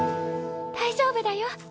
大丈夫だよ。